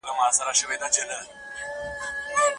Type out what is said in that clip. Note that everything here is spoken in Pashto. هغوی تېر کال په ملي مسابقه کي ګډون وکړ.